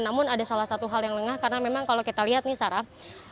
namun ada salah satu hal yang lengah karena memang kalau kita lihat nih sarah